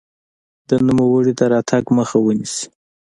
د نوموړي د راتګ مخه ونیسي.